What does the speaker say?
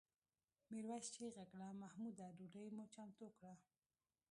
میرويس چیغه کړه محموده ډوډۍ مو چمتو کړه؟